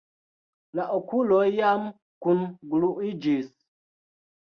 La okuloj jam kungluiĝis.